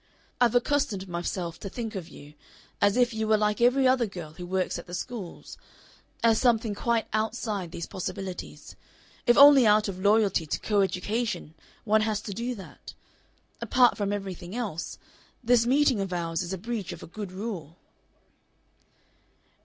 I've accustomed myself to think of you as if you were like every other girl who works at the schools as something quite outside these possibilities. If only out of loyalty to co education one has to do that. Apart from everything else, this meeting of ours is a breach of a good rule."